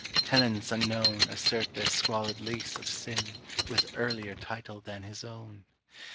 Tenants unknown Assert their squalid lease of sin With earlier title than his own.